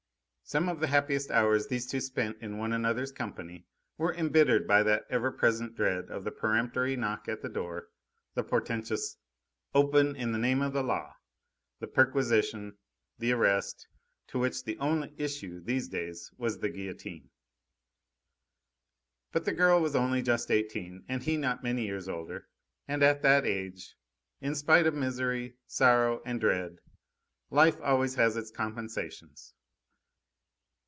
Some of the happiest hours these two spent in one another's company were embittered by that ever present dread of the peremptory knock at the door, the portentous: "Open, in the name of the Law!" the perquisition, the arrest, to which the only issue, these days, was the guillotine. But the girl was only just eighteen, and he not many years older, and at that age, in spite of misery, sorrow, and dread, life always has its compensations.